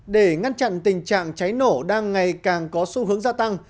để ngăn chặn tình trạng cháy nổ đang ngày càng có xu hướng gia tăng